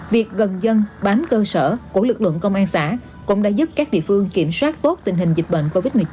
việc gần dân bám cơ sở của lực lượng công an xã cũng đã giúp các địa phương kiểm soát tốt tình hình dịch bệnh covid một mươi chín